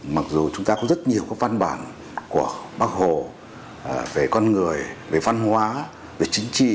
mặc dù chúng ta có rất nhiều các văn bản của bác hồ về con người về văn hóa về chính trị